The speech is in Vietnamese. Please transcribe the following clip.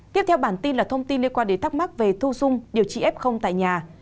tiếp theo bản tin là thông tin liên quan đến thắc mắc về thu dung điều trị f tại nhà